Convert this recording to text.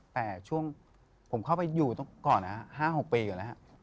แต่ช่วงผมเข้าไปอยู่ต้องก่อนนะครับ๕๖ปีก่อนแล้วครับ